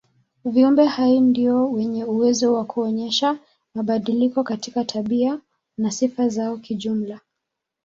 Viumbe hai ndio wenye uwezo wa kuonyesha mabadiliko katika tabia na sifa zao kijumla.